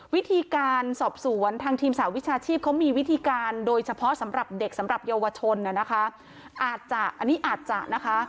วิธีการสอบศูนย์ทางทีมสหวิชาชีพเขามีวิธีการโดยเฉพาะสำหรับเด็กสำหรับเยาวชน